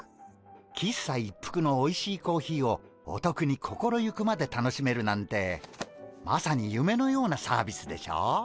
喫茶一服のおいしいコーヒーをおとくに心ゆくまで楽しめるなんてまさにゆめのようなサービスでしょう？